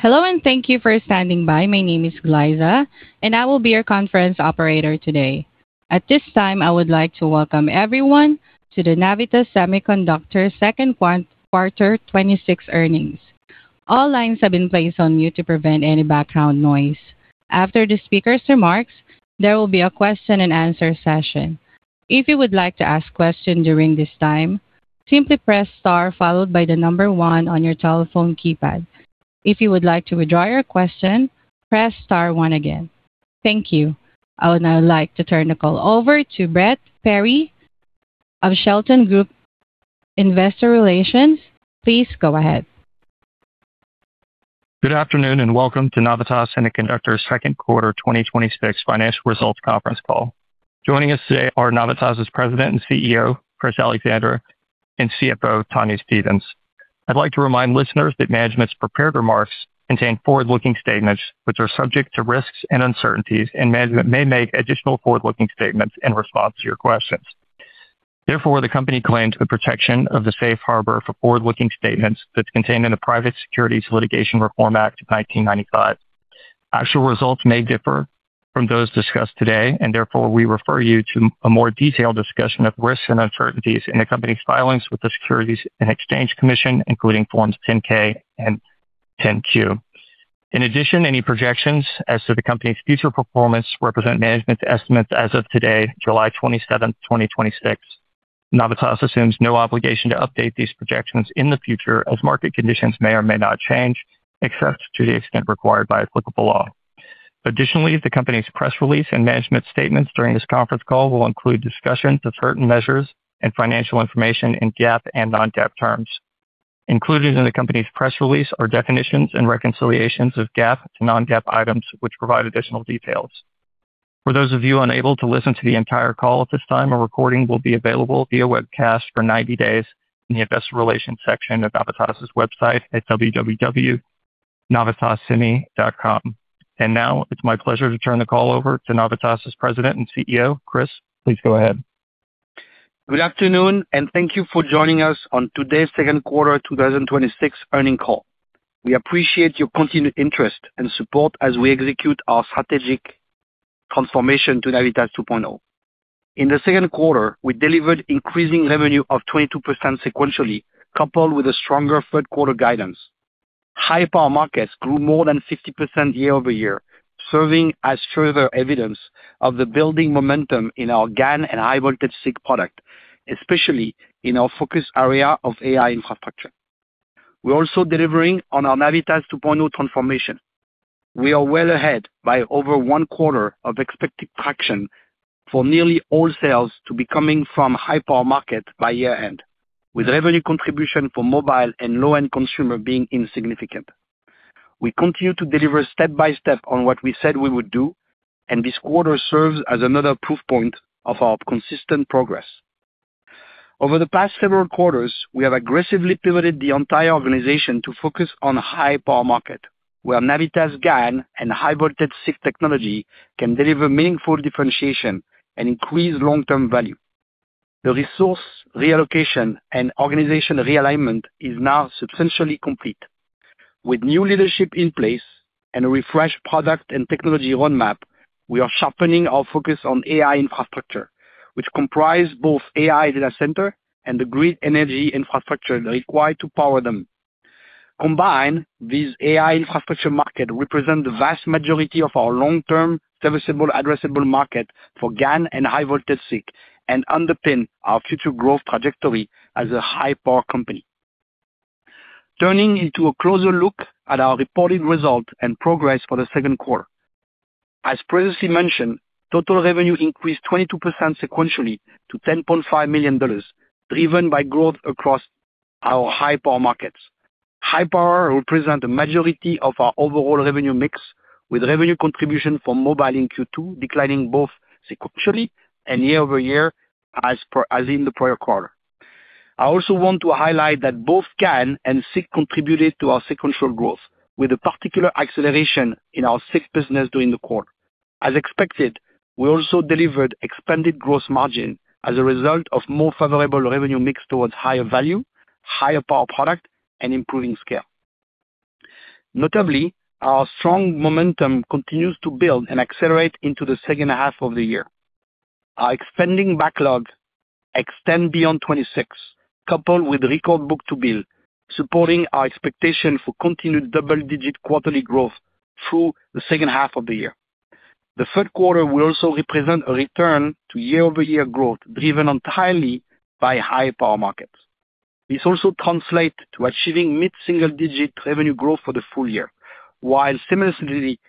Hello. Thank you for standing by. My name is Liza. I will be your conference operator today. At this time, I would like to welcome everyone to the Navitas Semiconductor second quarter 2026 earnings. All lines have been placed on mute to prevent any background noise. After the speaker's remarks, there will be a question-and-answer session. If you would like to ask questions during this time, simply press star followed by the number one on your telephone keypad. If you would like to withdraw your question, press star one again. Thank you. I would now like to turn the call over to Brett Perry of Shelton Group investor relations. Please go ahead. Good afternoon. Welcome to Navitas Semiconductor second quarter 2026 financial results conference call. Joining us today are Navitas' President and CEO, Chris Allexandre, and CFO, Tonya Stevens. I'd like to remind listeners that management's prepared remarks contain forward-looking statements, which are subject to risks and uncertainties. Management may make additional forward-looking statements in response to your questions. Therefore, the company claims the protection of the safe harbor for forward-looking statements that's contained in the Private Securities Litigation Reform Act of 1995. Actual results may differ from those discussed today. Therefore, we refer you to a more detailed discussion of risks and uncertainties in the company's filings with the Securities and Exchange Commission, including Forms 10-K and 10-Q. In addition, any projections as to the company's future performance represent management's estimates as of today, July 27th, 2026. Navitas assumes no obligation to update these projections in the future as market conditions may or may not change, except to the extent required by applicable law. Additionally, the company's press release and management statements during this conference call will include discussions of certain measures and financial information in GAAP and non-GAAP terms. Included in the company's press release are definitions and reconciliations of GAAP to non-GAAP items, which provide additional details. For those of you unable to listen to the entire call at this time, a recording will be available via webcast for 90 days in the investor relations section of Navitas' website at www.navitassemi.com. Now it's my pleasure to turn the call over to Navitas' President and CEO. Chris, please go ahead. Good afternoon. Thank you for joining us on today's second quarter 2026 earning call. We appreciate your continued interest and support as we execute our strategic transformation to Navitas 2.0. In the second quarter, we delivered increasing revenue of 22% sequentially, coupled with a stronger third quarter guidance. High-power markets grew more than 50% year-over-year, serving as further evidence of the building momentum in our GaN and high voltage SiC product, especially in our focus area of AI infrastructure. We're also delivering on our Navitas 2.0 transformation. We are well ahead by over one quarter of expected traction for nearly all sales to be coming from high-power market by year-end, with revenue contribution for mobile and low-end consumer being insignificant. We continue to deliver step-by-step on what we said we would do. This quarter serves as another proof point of our consistent progress. Over the past several quarters, we have aggressively pivoted the entire organization to focus on high-power market, where Navitas GaN and high voltage SiC technology can deliver meaningful differentiation and increase long-term value. The resource reallocation and organization realignment is now substantially complete. With new leadership in place and a refreshed product and technology roadmap, we are sharpening our focus on AI infrastructure, which comprise both AI data center and the grid energy infrastructure required to power them. Combined, these AI infrastructure market represent the vast majority of our long-term serviceable addressable market for GaN and high voltage SiC and underpin our future growth trajectory as a high-power company. Turning into a closer look at our reported result and progress for the second quarter. As previously mentioned, total revenue increased 22% sequentially to $10.5 million, driven by growth across our high-power markets. High power represent the majority of our overall revenue mix, with revenue contribution for mobile in Q2 declining both sequentially and year-over-year as in the prior quarter. I also want to highlight that both GaN and SiC contributed to our sequential growth, with a particular acceleration in our SiC business during the quarter. As expected, we also delivered expanded gross margin as a result of more favorable revenue mix towards higher value, higher power product, and improving scale. Notably, our strong momentum continues to build and accelerate into the second half of the year. Our expanding backlogs extend beyond 2026, coupled with record book-to-bill, supporting our expectation for continued double-digit quarterly growth through the second half of the year. The third quarter will also represent a return to year-over-year growth, driven entirely by high-power markets. This also translate to achieving mid-single-digit revenue growth for the full year, while simultaneously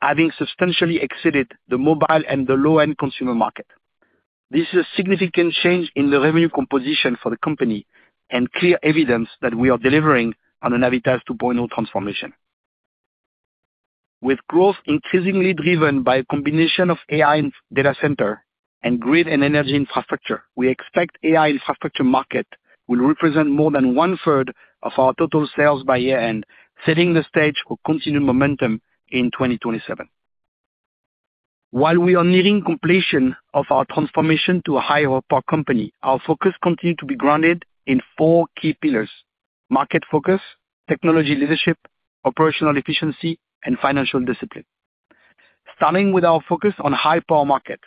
having substantially exceeded the mobile and the low-end consumer market. This is a significant change in the revenue composition for the company and clear evidence that we are delivering on the Navitas 2.0 transformation. With growth increasingly driven by a combination of AI and data center and grid and energy infrastructure, we expect AI infrastructure market will represent more than one-third of our total sales by year-end, setting the stage for continued momentum in 2027. While we are nearing completion of our transformation to a higher power company, our focus continue to be grounded in four key pillars: market focus, technology leadership, operational efficiency, and financial discipline. Starting with our focus on high-power market,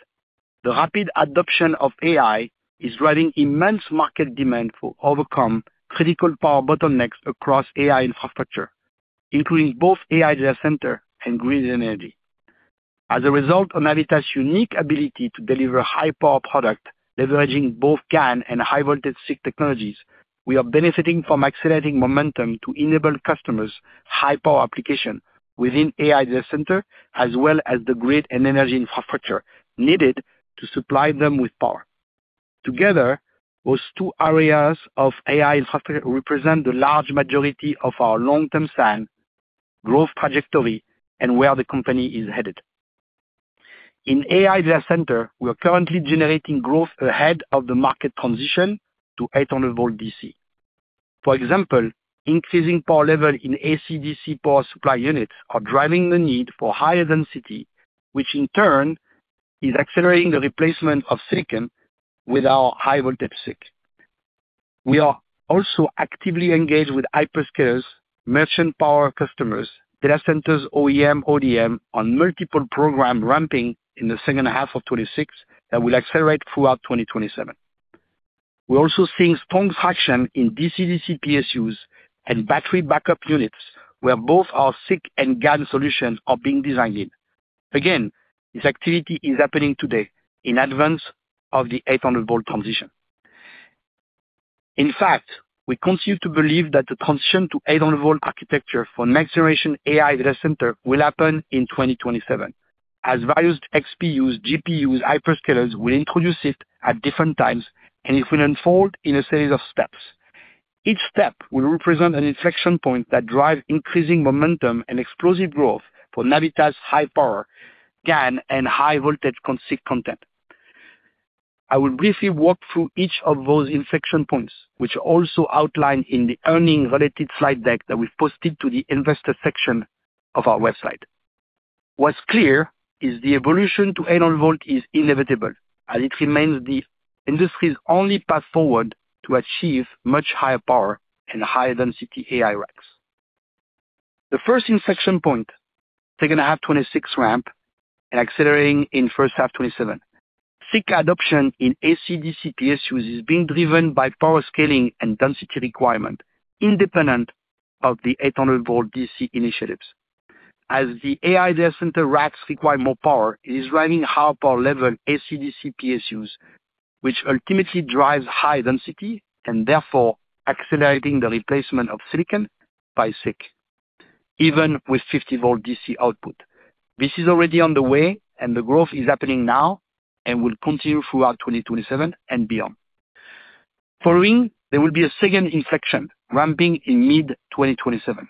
the rapid adoption of AI is driving immense market demand for overcome critical power bottlenecks across AI infrastructure, including both AI data center and grid energy. As a result of Navitas unique ability to deliver high-power product leveraging both GaN and high voltage SiC technologies, we are benefiting from accelerating momentum to enable customers high-power application within AI data center as well as the grid and energy infrastructure needed to supply them with power. Together, those two areas of AI infrastructure represent the large majority of our long-term plan, growth trajectory, and where the company is headed. In AI data center, we are currently generating growth ahead of the market transition to 800 V DC. For example, increasing power level in AC/DC power supply unit are driving the need for higher density, which in turn is accelerating the replacement of silicon with our high voltage SiC. We are also actively engaged with hyperscalers, merchant power customers, data centers, OEM, ODM on multiple program ramping in the second half of 2026 that will accelerate throughout 2027. We're also seeing strong traction in DC/DC PSUs and battery backup units, where both our SiC and GaN solutions are being designed in. Again, this activity is happening today in advance of the 800 V transition. In fact, we continue to believe that the transition to 800 V architecture for next generation AI data center will happen in 2027 as various XPUs, GPUs, hyperscalers will introduce it at different times, and it will unfold in a series of steps. Each step will represent an inflection point that drive increasing momentum and explosive growth for Navitas high power GaN and high voltage SiC content. I will briefly walk through each of those inflection points, which are also outlined in the earnings related slide deck that we've posted to the investor section of our website. What's clear is the evolution to 800 V is inevitable, as it remains the industry's only path forward to achieve much higher power and higher density AI racks. The first inflection point, second half 2026 ramp and accelerating in first half 2027. SiC adoption in AC/DC PSUs is being driven by power scaling and density requirement independent of the 800 V DC initiatives. As the AI data center racks require more power, it is driving high power level AC/DC PSUs, which ultimately drives high density and therefore accelerating the replacement of silicon by SiC, even with 50 V DC output. This is already on the way and the growth is happening now and will continue throughout 2027 and beyond. Following, there will be a second inflection ramping in mid-2027.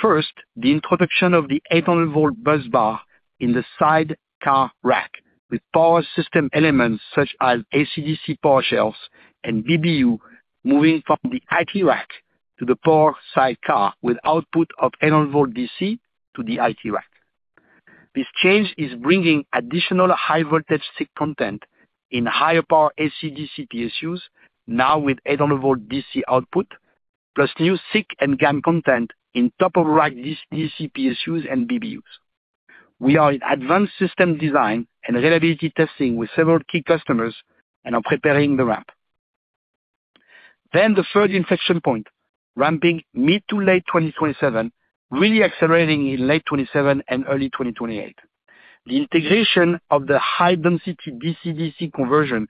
First, the introduction of the 800 V busbar in the sidecar rack with power system elements such as AC/DC power shelves and BBU moving from the IT rack to the power sidecar with output of 800 V DC to the IT rack. This change is bringing additional high voltage SiC content in higher power AC/DC PSUs now with 800 V DC output, plus new SiC and GaN content in top of rack DC PSUs and BBUs. We are in advanced system design and reliability testing with several key customers and are preparing the ramp. The third inflection point, ramping mid to late 2027, really accelerating in late 2027 and early 2028. The integration of the high density DC/DC conversion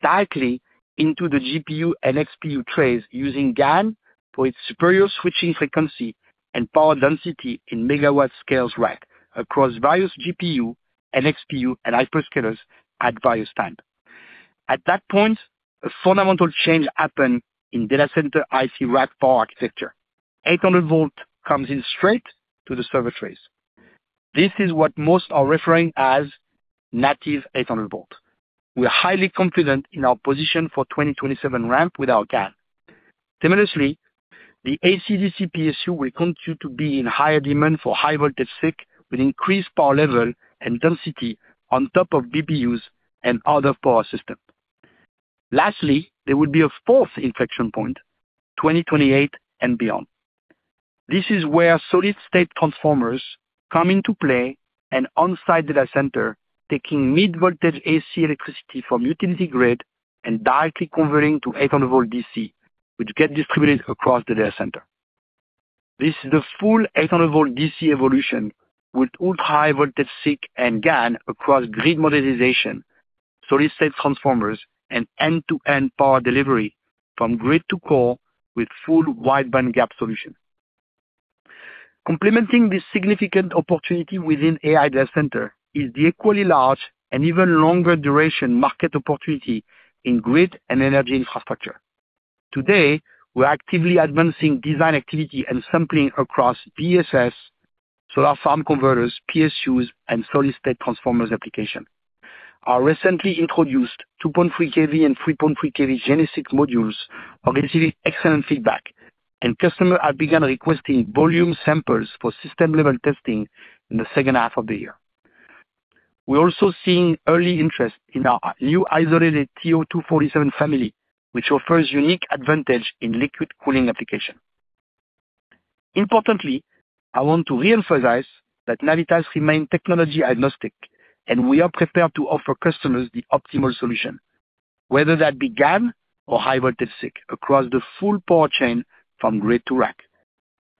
directly into the GPU and XPU trays using GaN for its superior switching frequency and power density in megawatt scales rack across various GPU and XPU and hyperscalers at various time. At that point, a fundamental change happen in data center IC rack power architecture. 800 V comes in straight to the server trays. This is what most are referring as native 800 V. We are highly confident in our position for 2027 ramp with our GaN. Similarly, the AC/DC PSU will continue to be in higher demand for high voltage SiC with increased power level and density on top of BBUs and other power systems. Lastly, there will be a fourth inflection point, 2028 and beyond. This is where solid state transformers come into play and on-site data center taking mid-voltage AC electricity from utility grid and directly converting to 800 V DC, which get distributed across the data center. This is the full 800 V DC evolution with ultra-high voltage SiC and GaN across grid modernization, solid state transformers, and end-to-end power delivery from grid to core with full wide-bandgap solution. Complementing this significant opportunity within AI data center is the equally large and even longer duration market opportunity in grid and energy infrastructure. Today, we're actively advancing design activity and sampling across BSS, solar farm converters, PSUs, and solid state transformers applications. Our recently introduced 2.3 kV and 3.3 kV GeneSiC modules are receiving excellent feedback, and customers have begun requesting volume samples for system-level testing in the second half of the year. We're also seeing early interest in our new isolated TO-247 family, which offers unique advantage in liquid cooling applications. Importantly, I want to reemphasize that Navitas remains technology agnostic, and we are prepared to offer customers the optimal solution, whether that be GaN or high-voltage SiC, across the full power chain from grid to rack.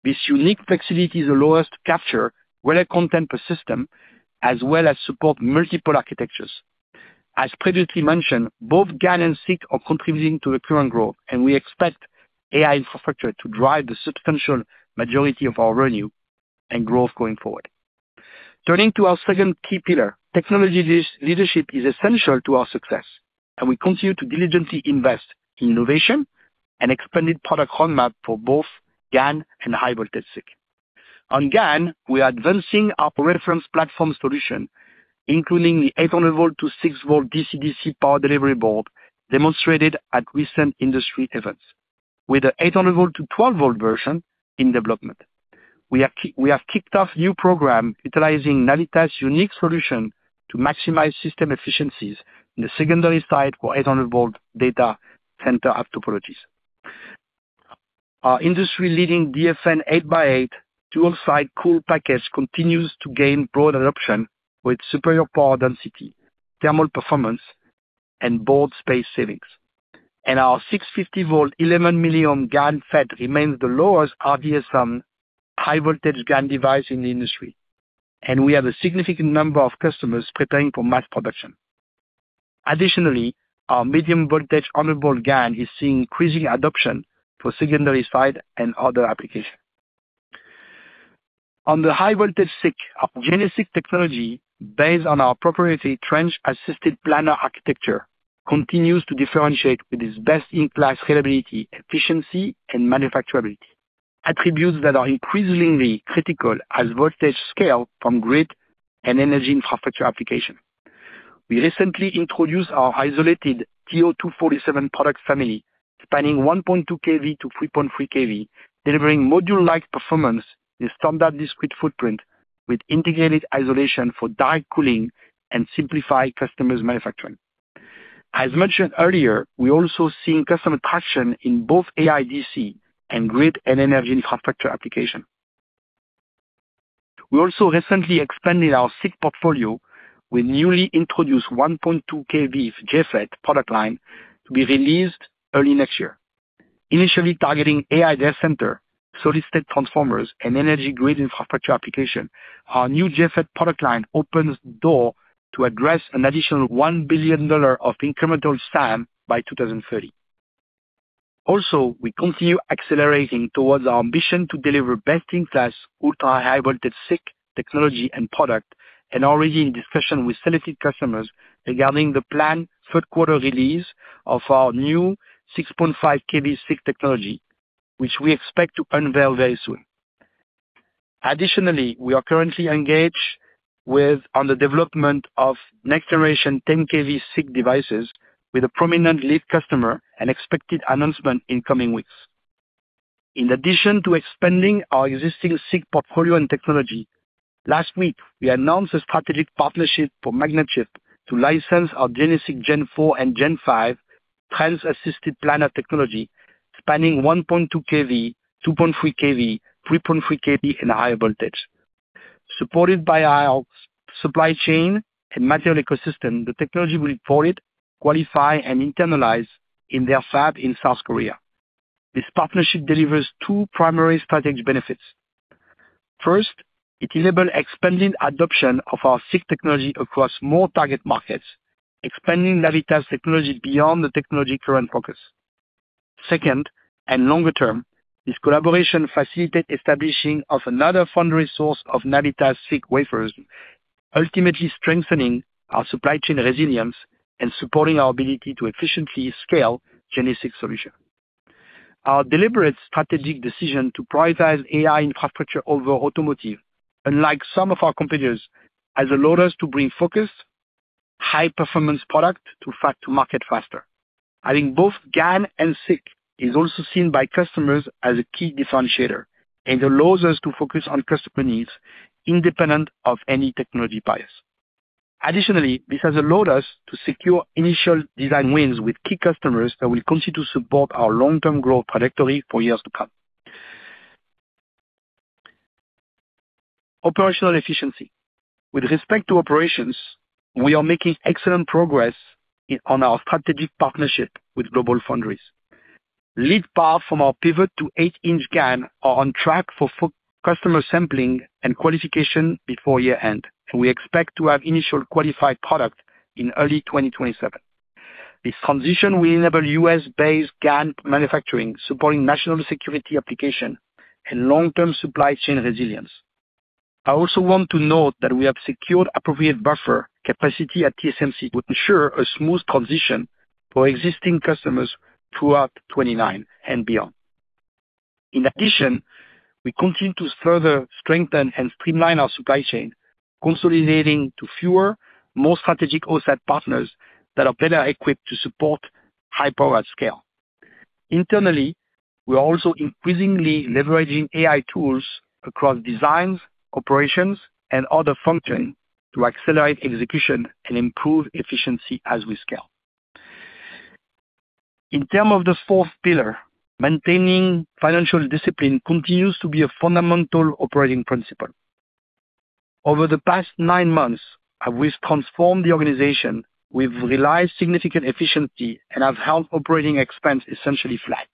This unique flexibility allows us to capture greater content per system, as well as support multiple architectures. As previously mentioned, both GaN and SiC are contributing to the current growth, and we expect AI infrastructure to drive the substantial majority of our revenue and growth going forward. Turning to our second key pillar, technology leadership is essential to our success, and we continue to diligently invest in innovation and expanded product roadmap for both GaN and high-voltage SiC. On GaN, we are advancing our reference platform solutions, including the 800 V to 6 V DC/DC power delivery board demonstrated at recent industry events, with the 800 V to 12 V version in development. We have kicked off new program utilizing Navitas' unique solution to maximize system efficiencies in the secondary side for 800 V data center topologies. Our industry-leading DFN 8x8 dual-side cool package continues to gain broad adoption with superior power density, thermal performance, and board space savings. Our 650 V 11 mΩ GaN FET remains the lowest RDS(on) high-voltage GaN device in the industry, and we have a significant number of customers preparing for mass production. Additionally, our medium-voltage 100 V GaN is seeing increasing adoption for secondary side and other applications. On the high-voltage SiC, our GeneSiC technology, based on our proprietary trench-assisted planar architecture, continues to differentiate with its best-in-class scalability, efficiency, and manufacturability, attributes that are increasingly critical as voltage scale from grid and energy infrastructure applications. We recently introduced our isolated TO-247 product family, spanning 1.2 kV-3.3 kV, delivering module-like performance in standard discrete footprint with integrated isolation for direct cooling and simplify customers' manufacturing. As mentioned earlier, we're also seeing customer traction in both AIDC and grid and energy infrastructure applications. We also recently expanded our SiC portfolio with newly introduced 1.2 kV JFET product line to be released early next year. Initially targeting AI data center, solid state transformers, and energy grid infrastructure application, our new JFET product line opens the door to address an additional $1 billion of incremental SAM by 2030. We continue accelerating towards our ambition to deliver best-in-class ultra-high voltage SiC technology and product and already in discussion with selected customers regarding the planned third quarter release of our new 6.5 kV SiC technology, which we expect to unveil very soon. Additionally, we are currently engaged on the development of next generation 10 kV SiC devices with a prominent lead customer and expected announcement in coming weeks. In addition to expanding our existing SiC portfolio and technology, last week, we announced a strategic partnership for Magnachip to license our GeneSiC Gen4 and Gen5 trench-assisted planar technology spanning 1.2 kV, 2.3 kV, 3.3 kV, and higher voltage. Supported by our supply chain and material ecosystem, the technology will be fully qualified and internalized in their fab in South Korea. This partnership delivers two primary strategic benefits. First, it enables expanded adoption of our SiC technology across more target markets, expanding Navitas technology beyond the technology current focus. Second, and longer term, this collaboration facilitate establishing of another foundry source of Navitas SiC wafers, ultimately strengthening our supply chain resilience and supporting our ability to efficiently scale GeneSiC solution. Our deliberate strategic decision to prioritize AI infrastructure over automotive, unlike some of our competitors, has allowed us to bring focused high performance product to market faster. Having both GaN and SiC is also seen by customers as a key differentiator and allows us to focus on customer needs independent of any technology bias. Additionally, this has allowed us to secure initial design wins with key customers that will continue to support our long-term growth trajectory for years to come. Operational efficiency. With respect to operations, we are making excellent progress on our strategic partnership with GlobalFoundries. Lead parts from our pivot to 8-inch GaN are on track for full customer sampling and qualification before year-end, and we expect to have initial qualified product in early 2027. This transition will enable U.S.-based GaN manufacturing, supporting national security application and long-term supply chain resilience. I also want to note that we have secured appropriate buffer capacity at TSMC to ensure a smooth transition for existing customers throughout 2029 and beyond. In addition, we continue to further strengthen and streamline our supply chain, consolidating to fewer, more strategic OSAT partners that are better equipped to support high power at scale. Internally, we are also increasingly leveraging AI tools across designs, operations, and other functions to accelerate execution and improve efficiency as we scale. In term of the fourth pillar, maintaining financial discipline continues to be a fundamental operating principle. Over the past nine months, as we've transformed the organization, we've realized significant efficiency and have held operating expense essentially flat.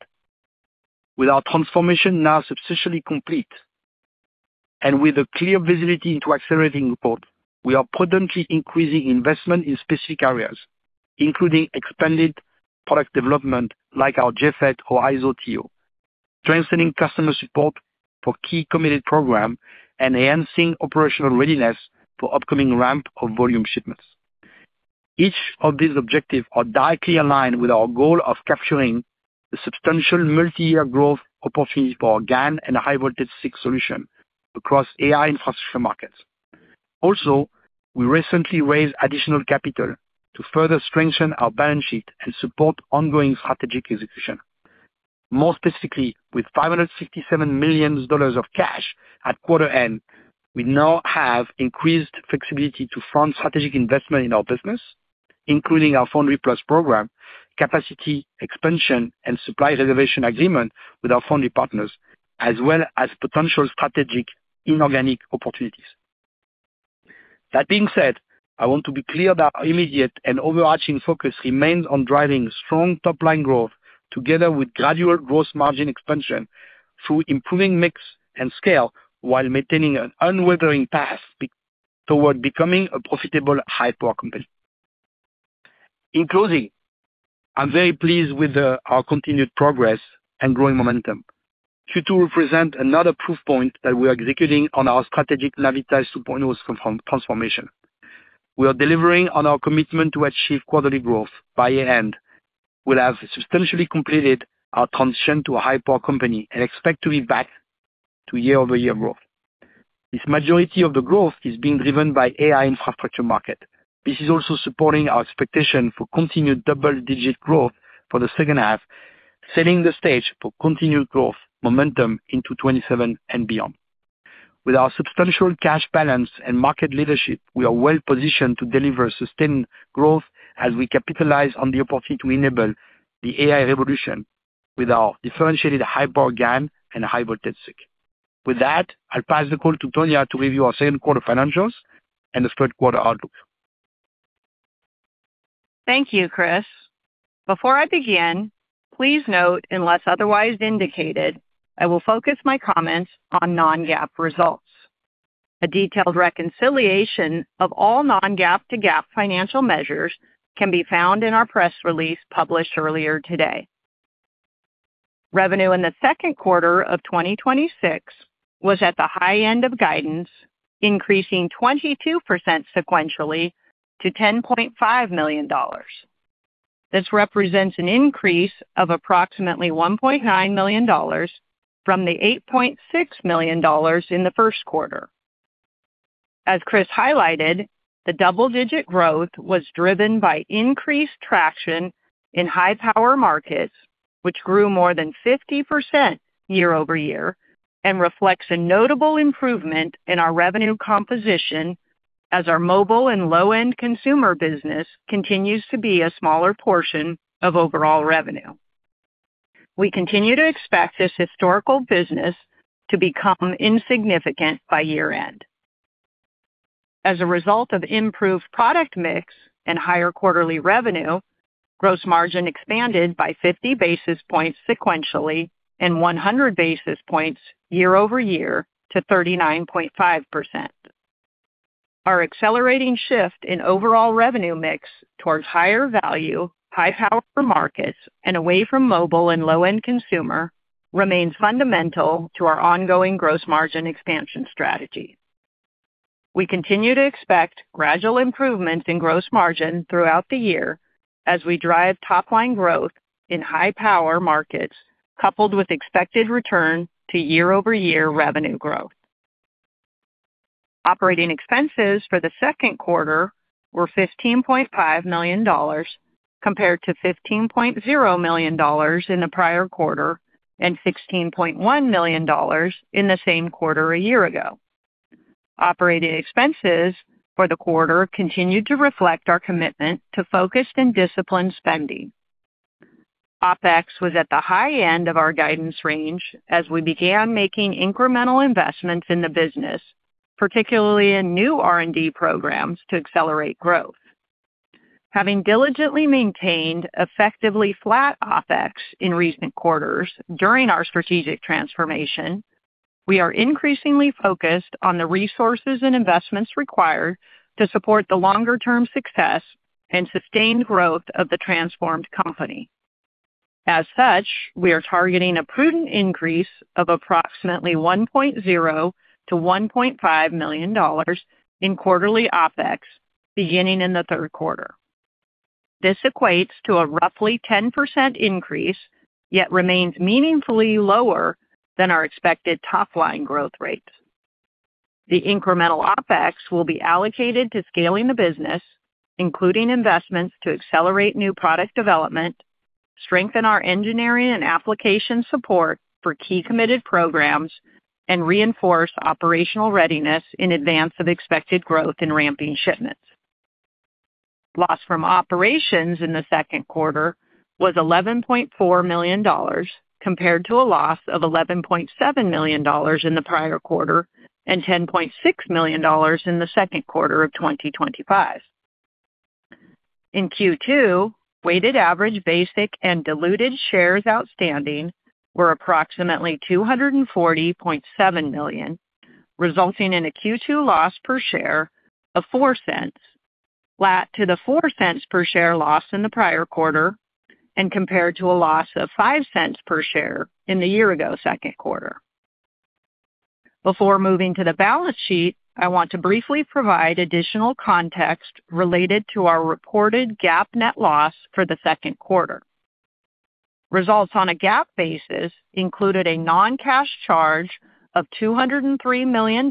With our transformation now substantially complete, and with a clear visibility into accelerating growth, we are prudently increasing investment in specific areas, including expanded product development like our GaN FET or ISO TO, strengthening customer support for key committed program, and enhancing operational readiness for upcoming ramp of volume shipments. Each of these objectives are directly aligned with our goal of capturing the substantial multi-year growth opportunities for our GaN and high voltage SiC solution across AI infrastructure markets. We recently raised additional capital to further strengthen our balance sheet and support ongoing strategic execution. More specifically, with $557 million of cash at quarter end, we now have increased flexibility to fund strategic investment in our business, including our Foundry Plus program, capacity expansion, and supply reservation agreement with our Foundry partners, as well as potential strategic inorganic opportunities. That being said, I want to be clear that our immediate and overarching focus remains on driving strong top-line growth together with gradual gross margin expansion through improving mix and scale while maintaining an unwavering path toward becoming a profitable high-power company. In closing, I'm very pleased with our continued progress and growing momentum. Q2 represents another proof point that we are executing on our strategic Navitas 2.0 transformation. We are delivering on our commitment to achieve quarterly growth. By year-end, we'll have substantially completed our transition to a high-power company and expect to be back to year-over-year growth. The majority of the growth is being driven by AI infrastructure market. This is also supporting our expectation for continued double-digit growth for the second half, setting the stage for continued growth momentum into 2027 and beyond. With our substantial cash balance and market leadership, we are well positioned to deliver sustained growth as we capitalize on the opportunity to enable the AI revolution with our differentiated high-power GaN and high voltage SiC. With that, I'll pass the call to Tonya to review our second quarter financials and the third quarter outlook. Thank you, Chris. Before I begin, please note, unless otherwise indicated, I will focus my comments on non-GAAP results. A detailed reconciliation of all non-GAAP to GAAP financial measures can be found in our press release published earlier today. Revenue in the second quarter of 2026 was at the high end of guidance, increasing 22% sequentially to $10.5 million. This represents an increase of approximately $1.9 million from the $8.6 million in the first quarter. As Chris highlighted, the double-digit growth was driven by increased traction in high-power markets, which grew more than 50% year-over-year and reflects a notable improvement in our revenue composition as our mobile and low-end consumer business continues to be a smaller portion of overall revenue. We continue to expect this historical business to become insignificant by year-end. As a result of improved product mix and higher quarterly revenue, gross margin expanded by 50 basis points sequentially and 100 basis points year-over-year to 39.5%. Our accelerating shift in overall revenue mix towards higher value, high-power markets and away from mobile and low-end consumer remains fundamental to our ongoing gross margin expansion strategy. We continue to expect gradual improvements in gross margin throughout the year as we drive top-line growth in high-power markets, coupled with expected return to year-over-year revenue growth. Operating expenses for the second quarter were $15.5 million, compared to $15.0 million in the prior quarter and $16.1 million in the same quarter a year ago. Operating expenses for the quarter continued to reflect our commitment to focused and disciplined spending. OPEX was at the high end of our guidance range as we began making incremental investments in the business, particularly in new R&D programs to accelerate growth. Having diligently maintained effectively flat OPEX in recent quarters during our strategic transformation, we are increasingly focused on the resources and investments required to support the longer-term success and sustained growth of the transformed company. As such, we are targeting a prudent increase of approximately $1.0 million to $1.5 million in quarterly OPEX beginning in the third quarter. This equates to a roughly 10% increase, yet remains meaningfully lower than our expected top-line growth rates. The incremental OPEX will be allocated to scaling the business, including investments to accelerate new product development, strengthen our engineering and application support for key committed programs, and reinforce operational readiness in advance of expected growth in ramping shipments. Loss from operations in the second quarter was $11.4 million, compared to a loss of $11.7 million in the prior quarter and $10.6 million in the second quarter of 2025. In Q2, weighted average basic and diluted shares outstanding were approximately 240.7 million, resulting in a Q2 loss per share of $0.04, flat to the $0.04 per share loss in the prior quarter, and compared to a loss of $0.05 per share in the year-ago second quarter. Before moving to the balance sheet, I want to briefly provide additional context related to our reported GAAP net loss for the second quarter. Results on a GAAP basis included a non-cash charge of $203 million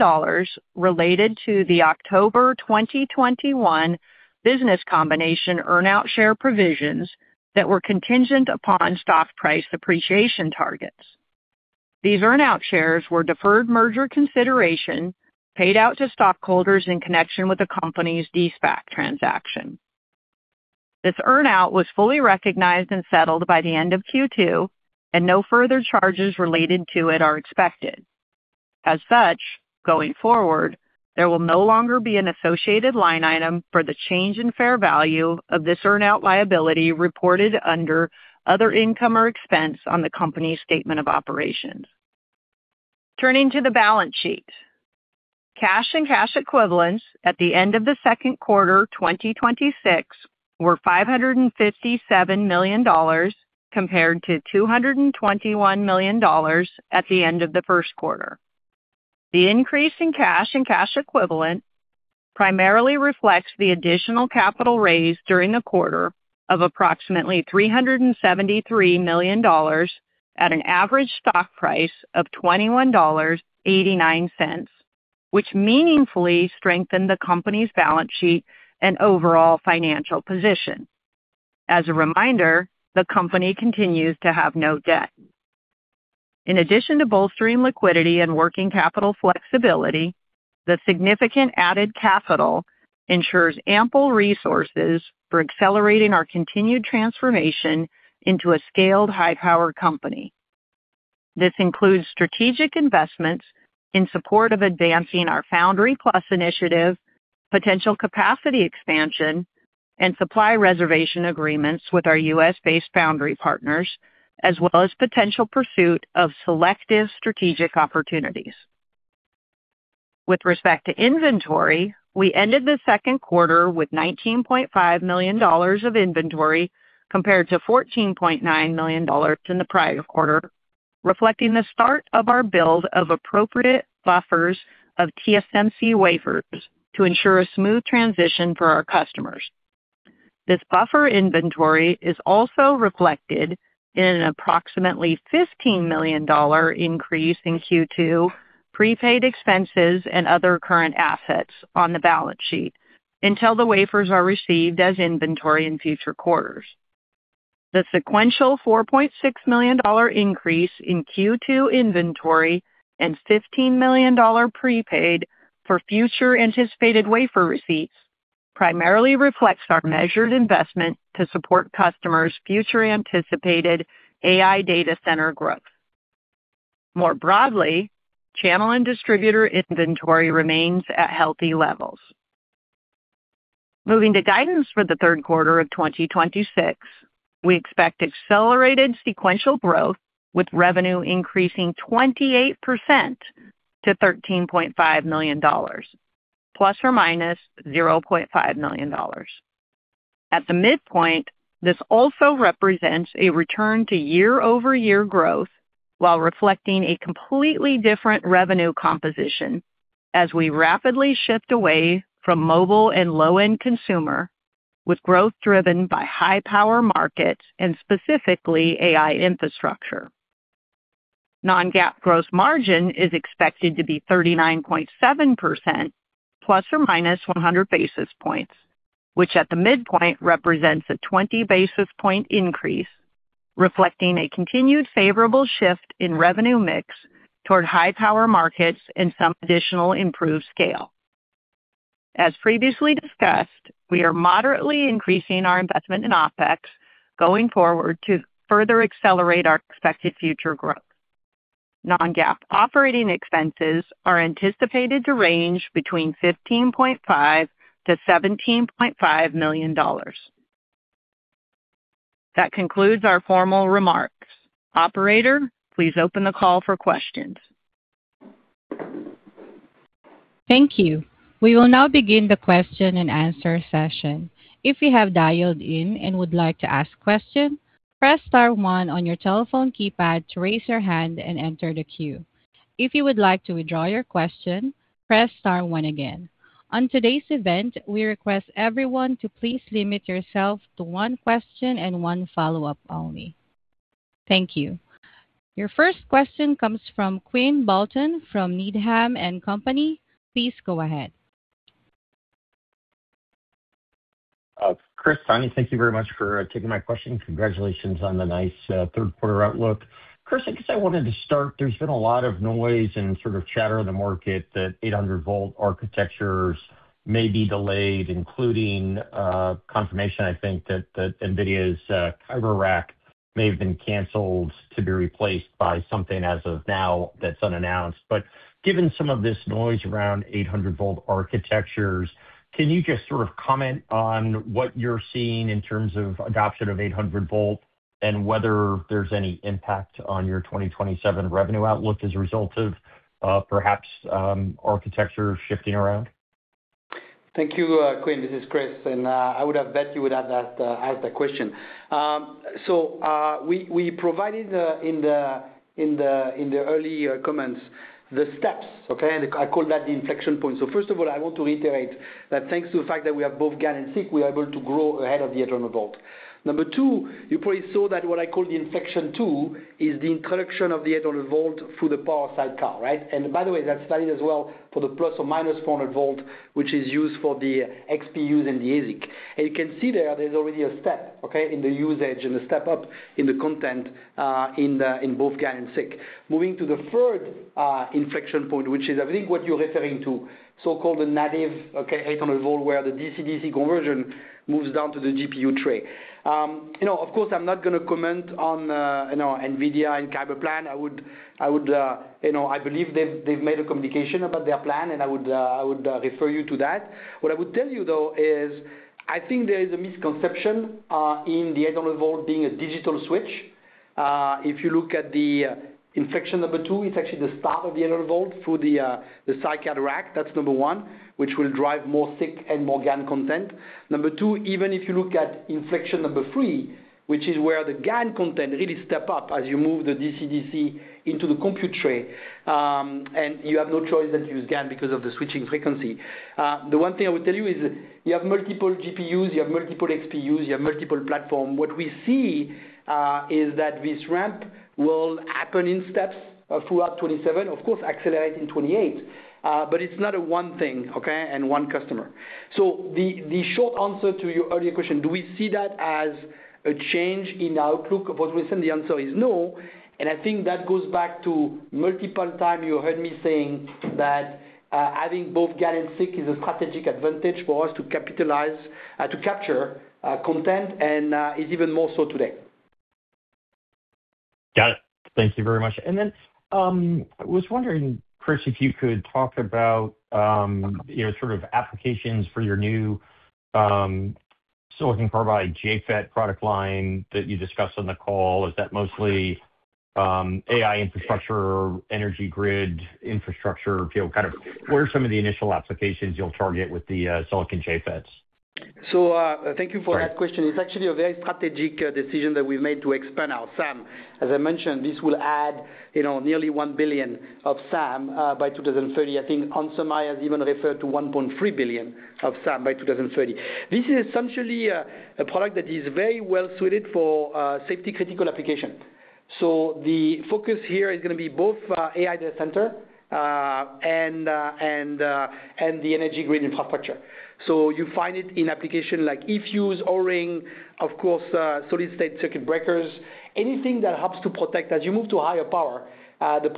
related to the October 2021 business combination earn-out share provisions that were contingent upon stock price appreciation targets. These earn-out shares were deferred merger consideration paid out to stockholders in connection with the company's de-SPAC transaction. This earn-out was fully recognized and settled by the end of Q2, and no further charges related to it are expected. Going forward, there will no longer be an associated line item for the change in fair value of this earn-out liability reported under other income or expense on the company's statement of operations. Turning to the balance sheet. Cash and cash equivalents at the end of the second quarter 2026 were $557 million, compared to $221 million at the end of the first quarter. The increase in cash and cash equivalents primarily reflects the additional capital raised during the quarter of approximately $373 million at an average stock price of $21.89, which meaningfully strengthened the company's balance sheet and overall financial position. As a reminder, the company continues to have no debt. In addition to bolstering liquidity and working capital flexibility, the significant added capital ensures ample resources for accelerating our continued transformation into a scaled high-power company. This includes strategic investments in support of advancing our Foundry Plus initiative, potential capacity expansion, and supply reservation agreements with our U.S.-based foundry partners, as well as potential pursuit of selective strategic opportunities. With respect to inventory, we ended the second quarter with $19.5 million of inventory, compared to $14.9 million in the prior quarter, reflecting the start of our build of appropriate buffers of TSMC wafers to ensure a smooth transition for our customers. This buffer inventory is also reflected in an approximately $15 million increase in Q2 prepaid expenses and other current assets on the balance sheet until the wafers are received as inventory in future quarters. The sequential $4.6 million increase in Q2 inventory and $15 million prepaid for future anticipated wafer receipts primarily reflects our measured investment to support customers' future anticipated AI data center growth. More broadly, channel and distributor inventory remains at healthy levels. Moving to guidance for the third quarter of 2026, we expect accelerated sequential growth, with revenue increasing 28% to $13.5 million ±$0.5 million. At the midpoint, this also represents a return to year-over-year growth while reflecting a completely different revenue composition as we rapidly shift away from mobile and low-end consumer, with growth driven by high-power markets and specifically AI infrastructure. Non-GAAP gross margin is expected to be 39.7% ±100 basis points, which at the midpoint represents a 20 basis point increase, reflecting a continued favorable shift in revenue mix toward high-power markets and some additional improved scale. As previously discussed, we are moderately increasing our investment in OpEx going forward to further accelerate our expected future growth. Non-GAAP operating expenses are anticipated to range between $15.5 million-$17.5 million. That concludes our formal remarks. Operator, please open the call for questions. Thank you. We will now begin the question and answer session. If you have dialed in and would like to ask a question Press star one on your telephone keypad to raise your hand and enter the queue. If you would like to withdraw your question, press star one again. On today's event, we request everyone to please limit yourself to one question and one follow-up only. Thank you. Your first question comes from Quinn Bolton from Needham & Company. Please go ahead. Chris, thank you very much for taking my question. Congratulations on the nice third quarter outlook. Chris, I guess I wanted to start, there's been a lot of noise and sort of chatter in the market that 800 V architectures may be delayed, including confirmation, I think, that NVIDIA's Kyber rack may have been canceled to be replaced by something as of now that's unannounced. Given some of this noise around 800 V architectures, can you just sort of comment on what you're seeing in terms of adoption of 800 V and whether there's any impact on your 2027 revenue outlook as a result of perhaps architecture shifting around? Thank you, Quinn. This is Chris. I would have bet you would have asked that question. We provided in the early comments the steps, okay? I call that the inflection point. First of all, I want to reiterate that thanks to the fact that we have both GaN and SiC, we are able to grow ahead of the 800 V. Number two, you probably saw that what I call the inflection 2 is the introduction of the 800 V through the power side car, right? By the way, that's valid as well for the ±400 V, which is used for the XPUs and the ASIC. You can see there's already a step, okay, in the usage and a step up in the content in both GaN and SiC. Moving to the third inflection point, which is, I think what you're referring to, so-called the native 800 V, where the DC/DC conversion moves down to the GPU tray. Of course, I'm not going to comment on NVIDIA and Kyber plan. I believe they've made a communication about their plan, and I would refer you to that. What I would tell you, though, is I think there is a misconception in the 800 V being a digital switch. If you look at the inflection 2, it's actually the start of the 800 V through the sidecar rack, that's number one, which will drive more SiC and more GaN content. Number two, even if you look at inflection 3, which is where the GaN content really step up as you move the DC/DC into the compute tray, and you have no choice than to use GaN because of the switching frequency. The one thing I would tell you is you have multiple GPUs, you have multiple XPUs, you have multiple platform. What we see is that this ramp will happen in steps throughout 2027, of course, accelerate in 2028. It's not a one thing, okay, and one customer. The short answer to your earlier question, do we see that as a change in our outlook of what we said? The answer is no. I think that goes back to multiple time you heard me saying that having both GaN and SiC is a strategic advantage for us to capture content, and is even more so today. Got it. Thank you very much. I was wondering, Chris, if you could talk about sort of applications for your new silicon carbide JFET product line that you discussed on the call. Is that mostly AI infrastructure, energy grid infrastructure? What are some of the initial applications you'll target with the silicon JFETs? Thank you for that question. It's actually a very strategic decision that we've made to expand our SAM. As I mentioned, this will add nearly $1 billion of SAM by 2030. I think Hansa Ma has even referred to $1.3 billion of SAM by 2030. This is essentially a product that is very well suited for safety critical application. The focus here is going to be both AI data center and the energy grid infrastructure. You find it in application like eFuse, ORing, of course, solid state circuit breakers. Anything that helps to protect. As you move to higher power, the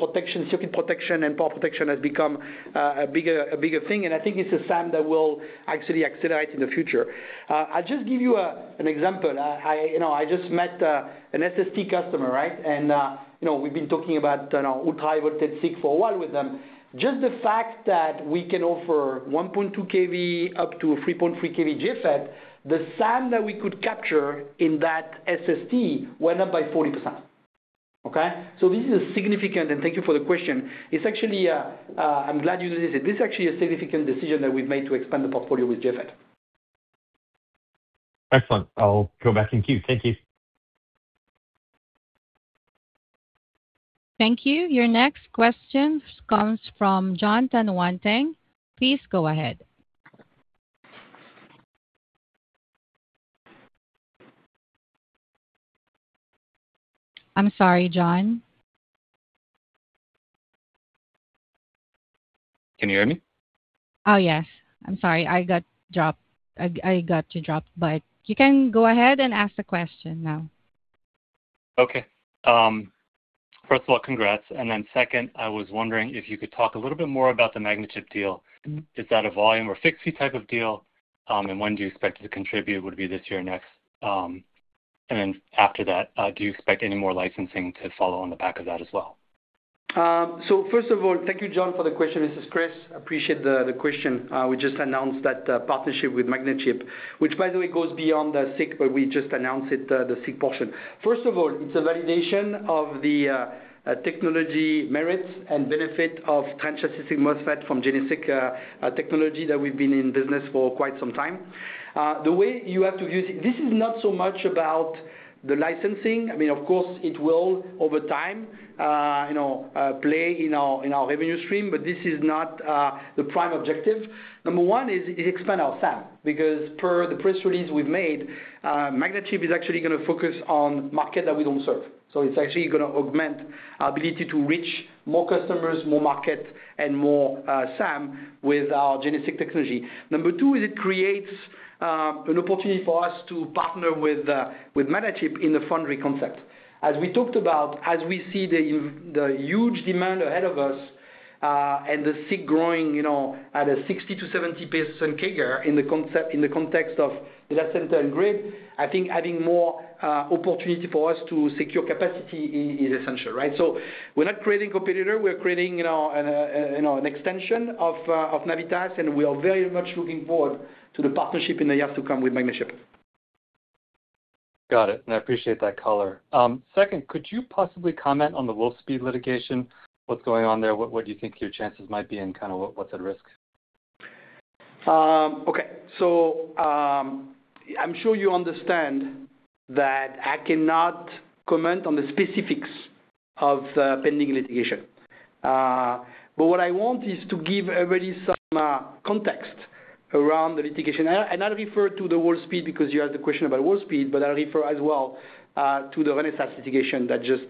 circuit protection and power protection has become a bigger thing, and I think it's a SAM that will actually accelerate in the future. I'll just give you an example. I just met an SST customer, right? We've been talking about ultra-high voltage SiC for a while with them. Just the fact that we can offer 1.2 kV up to 3.3 kV JFET, the SAM that we could capture in that SST went up by 40%. Okay? This is significant, and thank you for the question. I'm glad you did this. This is actually a significant decision that we've made to expand the portfolio with JFET. Excellent. I'll go back in queue. Thank you. Thank you. Your next question comes from Jon Tanwanteng. Please go ahead. I'm sorry, Jon. Can you hear me? Yes. I'm sorry. I got dropped. I got you dropped, you can go ahead and ask the question now. First of all, congrats. Second, I was wondering if you could talk a little bit more about the Magnachip deal. Is that a volume or fix fee type of deal? When do you expect it to contribute? Would it be this year or next? After that, do you expect any more licensing to follow on the back of that as well? First of all, thank you, Jon, for the question. This is Chris. Appreciate the question. We just announced that partnership with Magnachip, which, by the way, goes beyond the SiC, we just announced it, the SiC portion. First of all, it's a validation of the technology merits and benefit of trench-assisted SiC MOSFET from GeneSiC technology that we've been in business for quite some time. The way you have to use it, this is not so much about the licensing. Of course, it will, over time, play in our revenue stream, this is not the prime objective. Number one is expand our SAM, because per the press release we've made, Magnachip is actually going to focus on market that we don't serve. It's actually going to augment our ability to reach more customers, more market, and more SAM with our Gen8 SiC technology. Number two is it creates an opportunity for us to partner with Magnachip in the foundry concept. As we talked about, as we see the huge demand ahead of us and the SiC growing at a 60%-70% CAGR in the context of data center and grid, I think adding more opportunity for us to secure capacity is essential, right? We're not creating competitor, we're creating an extension of Navitas, and we are very much looking forward to the partnership in the years to come with Magnachip. Got it. I appreciate that color. Second, could you possibly comment on the Wolfspeed litigation? What's going on there? What do you think your chances might be, and kind of what's at risk? I'm sure you understand that I cannot comment on the specifics of pending litigation. What I want is to give everybody some context around the litigation. I'll refer to the Wolfspeed because you asked the question about Wolfspeed, but I'll refer as well to the Renesas litigation that just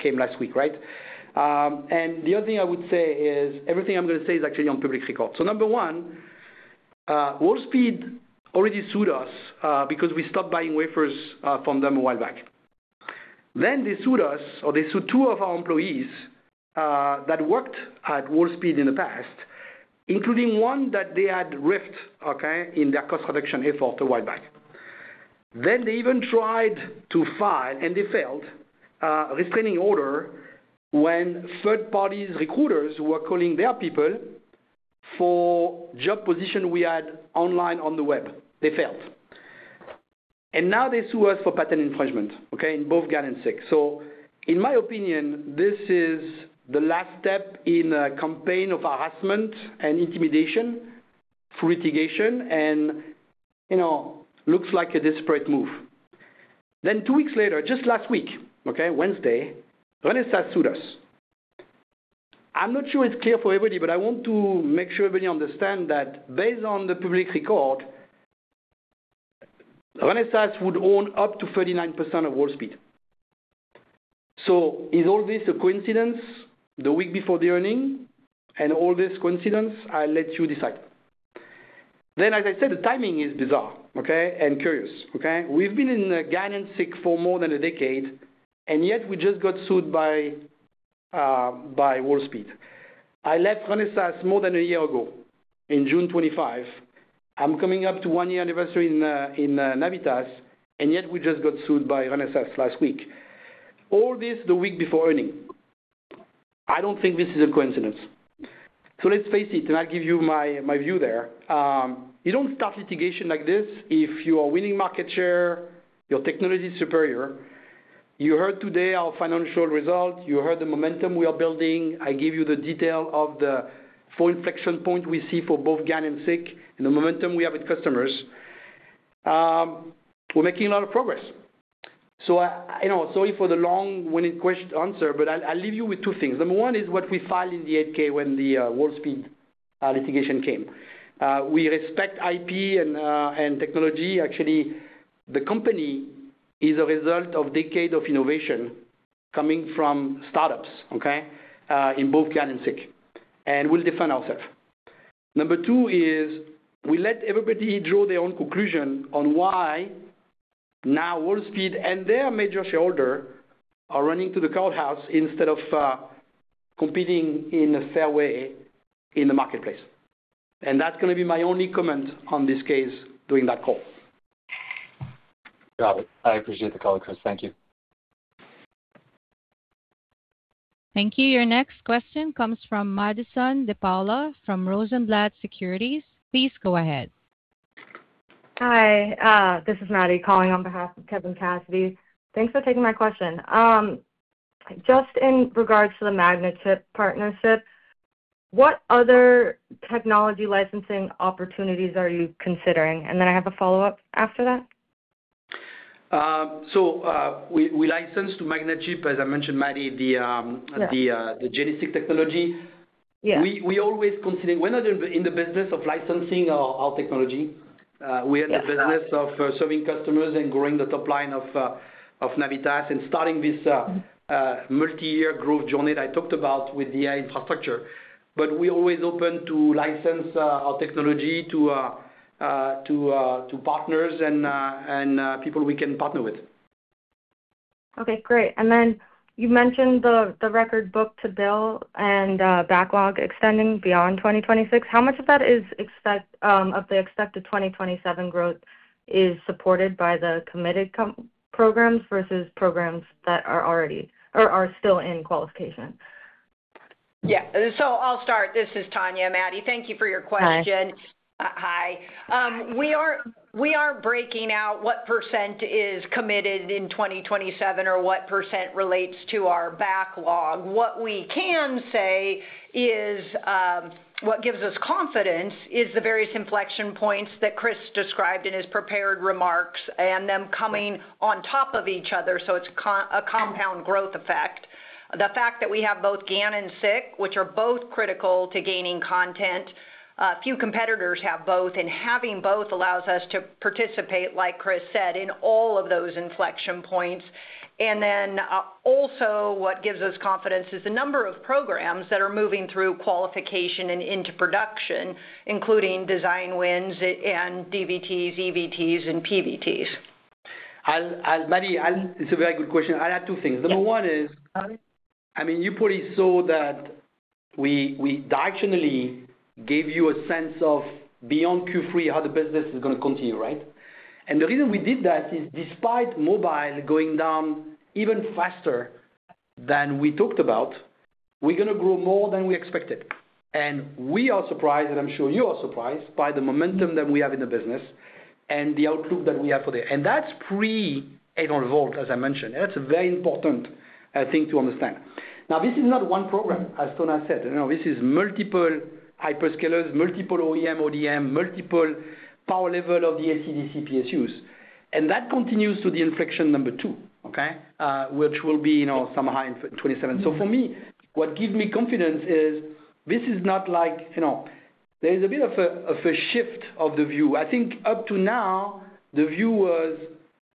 came last week, right? The other thing I would say is everything I'm going to say is actually on public record. Number one, Wolfspeed already sued us because we stopped buying wafers from them a while back. They sued us, or they sued two of our employees that worked at Wolfspeed in the past, including one that they had riffed, okay, in their cost reduction effort a while back. They even tried to file, and they failed, a restraining order when third parties, recruiters, were calling their people for job position we had online on the web. They failed. Now they sue us for patent infringement, okay, in both GaN and SiC. In my opinion, this is the last step in a campaign of harassment and intimidation through litigation and looks like a desperate move. Two weeks later, just last week, okay, Wednesday, Renesas sued us. I'm not sure it's clear for everybody, but I want to make sure everybody understand that based on the public record, Renesas would own up to 39% of Wolfspeed. Is all this a coincidence the week before the earnings and all this coincidence? I'll let you decide. As I said, the timing is bizarre, okay, and curious. Okay. We've been in the GaN and SiC for more than a decade, and yet we just got sued by Wolfspeed. I left Renesas more than a year ago, in June 25. I'm coming up to one year anniversary in Navitas, and yet we just got sued by Renesas last week. All this the week before earning. I don't think this is a coincidence. Let's face it, and I'll give you my view there. You don't start litigation like this if you are winning market share, your technology is superior. You heard today our financial result. You heard the momentum we are building. I give you the detail of the full inflection point we see for both GaN and SiC and the momentum we have with customers. We're making a lot of progress. Sorry for the long-winded answer, but I'll leave you with two things. Number one is what we filed in the 8-K when the Wolfspeed litigation came. We respect IP and technology. Actually, the company is a result of decade of innovation coming from startups, okay, in both GaN and SiC. We'll defend ourself. Number two is we let everybody draw their own conclusion on why now Wolfspeed and their major shareholder are running to the courthouse instead of competing in a fair way in the marketplace. That's going to be my only comment on this case during that call. Got it. I appreciate the call, Chris. Thank you. Thank you. Your next question comes from Madison De Paola from Rosenblatt Securities. Please go ahead. Hi. This is Maddy calling on behalf of Kevin Cassidy. Thanks for taking my question. Just in regards to the Magnachip partnership, what other technology licensing opportunities are you considering? I have a follow-up after that. We licensed to Magnachip, as I mentioned, Maddy. Yeah. The Gen8 SiC technology. Yeah. We always consider we're not in the business of licensing our technology. Yes. We are in the business of serving customers and growing the top line of Navitas and starting this multi-year growth journey I talked about with AI infrastructure. We're always open to license our technology to partners and people we can partner with. Okay, great. Then you mentioned the record book-to-bill and backlog extending beyond 2026. How much of the expected 2027 growth is supported by the committed programs versus programs that are still in qualification? I'll start. This is [Tonya], Maddy. Thank you for your question. Hi. Hi. We aren't breaking out what percent is committed in 2027 or what percent relates to our backlog. What we can say is. What gives us confidence is the various inflection points that Chris described in his prepared remarks and them coming on top of each other, so it's a compound growth effect. The fact that we have both GaN and SiC, which are both critical to gaining content. Few competitors have both, and having both allows us to participate, like Chris said, in all of those inflection points. Then also what gives us confidence is the number of programs that are moving through qualification and into production, including design wins and DVTs, EVTs, and PVTs. Maddy, it's a very good question. I'll add two things. Yeah. Number one is, you probably saw that we directionally gave you a sense of beyond Q3 how the business is going to continue, right? The reason we did that is despite mobile going down even faster than we talked about, we're going to grow more than we expected. We are surprised, and I'm sure you are surprised, by the momentum that we have in the business and the outlook that we have for that. That's pre-800 V, as I mentioned. That's a very important thing to understand. This is not one program, as [Tonya] said. No, this is multiple hyperscalers, multiple OEM, ODM, multiple power level of the AC/DC PSUs. That continues to the inflection number two, okay? Which will be sometime in 2027. For me, what gives me confidence is this is not like there is a bit of a shift of the view. I think up to now, the view was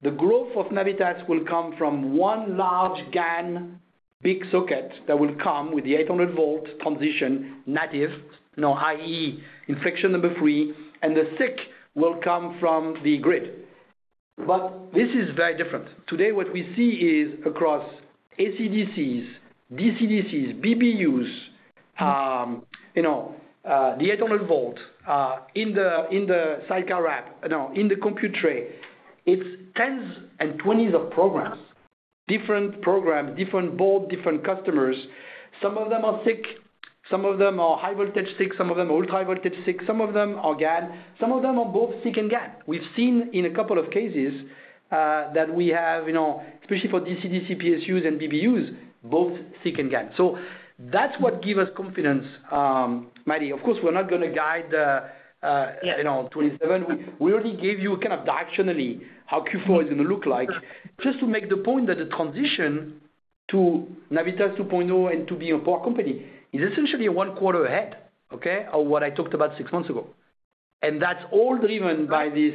the growth of Navitas will come from one large GaN big socket that will come with the 800 V transition, native, i.e. inflection number three, and the SiC will come from the grid. This is very different. Today, what we see is across AC/DCs, DC/DCs, BBUs, the 800 V in the sidecar wrap, in the compute tray. It's tens and twenties of programs, different programs, different board, different customers. Some of them are SiC, some of them are high voltage SiC, some of them ultra-high voltage SiC, some of them are GaN, some of them are both SiC and GaN. We've seen in a couple of cases that we have, especially for DC/DC PSUs and BBUs, both SiC and GaN. That's what give us confidence, Maddy. Of course, we're not going to guide 2027. We only gave you directionally how Q4 is going to look like, just to make the point that the transition to Navitas 2.0 and to be a power company is essentially one quarter ahead, okay, of what I talked about six months ago. That's all driven by this